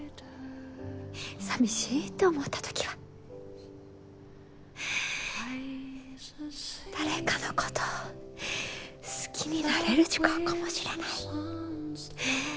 寂しいって思った時は誰かのことを好きになれる時間かもしれない。